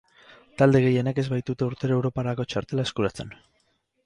Talde gehienek ez baitute urtero europarako txartela eskuratzen.